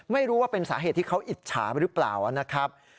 ไม่รู้ว่าเป็นสาเหตุที่เขาอิจฉาหรือเปล่านะครับ